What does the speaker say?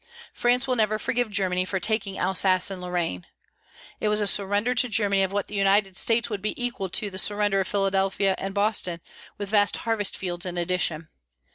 France will never forgive Germany for taking Alsace and Lorraine. It was a surrender to Germany of what in the United States would be equal to the surrender of Philadelphia and Boston, with vast harvest fields in addition.